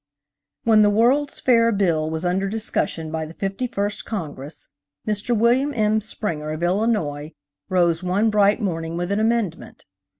SEAL OF BOARD. WHEN the World's Fair Bill was under discussion by the Fifty first Congress, Mr. Wm. M. Springer, of Illinois, rose one bright morning with an amendment.